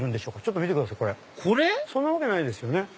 そんなわけないですよね？